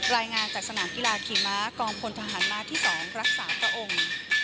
รายงานจากสนามกีฬาขี่ม้ากองพลทหารม้าที่๒รักษาพระองค์